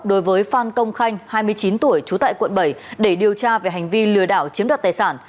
đối với phan công khanh hai mươi chín tuổi trú tại quận bảy để điều tra về hành vi lừa đảo chiếm đoạt tài sản